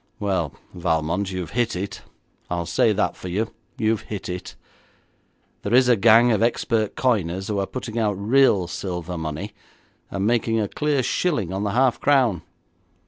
'Well, Valmont, you have hit it. I'll say that for you; you have hit it. There is a gang of expert coiners who are putting out real silver money, and making a clear shilling on the half crown.